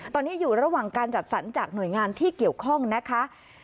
ตอนนี้อยู่ระหว่างการจัดสรรจากหน่วยงานที่เกี่ยวข้องนะคะ